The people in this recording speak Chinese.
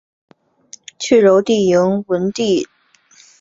去柔然迎文帝悼皇后郁久闾氏。